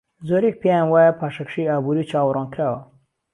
زۆرێک پێیان وایە پاشەکشەی ئابووری چاوەڕوانکراوە.